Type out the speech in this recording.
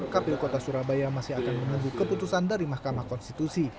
kpu kota surabaya masih akan menunggu keputusan dari mahkamah konstitusi